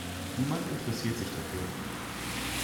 Niemand interessiert sich dafür.